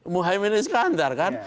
muhyemen iskandar kan